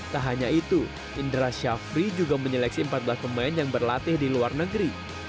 tak hanya itu indra syafri juga menyeleksi empat belas pemain yang berlatih di luar negeri